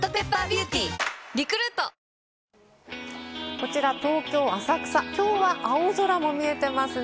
こちら東京・浅草、きょうは青空も見えていますね。